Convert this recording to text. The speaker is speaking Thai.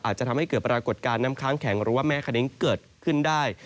อาจจะทำให้เกิดปรากฏการณ์น้ำค้างแข็งหรือว่าแม่คณิ้งเกิดขึ้นได้